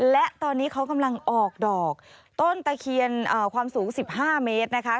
และตอนนี้เขากำลังออกดอกต้นตะเคียนความสูง๑๕เมตรนะคะ